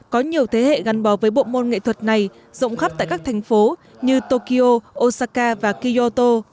có nhiều thế hệ gắn bò với bộ môn nghệ thuật này rộng khắp tại các thành phố như tokyo osaka và kiyoto